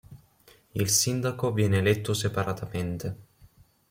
Il Sindaco viene eletto separatamente.